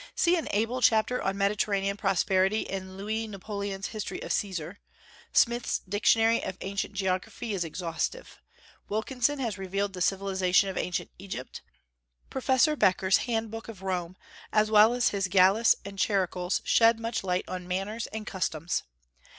See an able chapter on Mediterranean prosperity in Louis Napoleon's History of Caesar. Smith's Dictionary of Ancient Geography is exhaustive. Wilkinson has revealed the civilization of ancient Egypt. Professor Becker's Handbook of Rome, as well as his Gallus and Charicles shed much light on manners and customs.